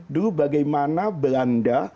dulu bagaimana belanda